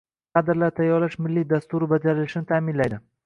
Kadrlar tayyorlash milliy dasturi bajarilishini ta’minlaydi;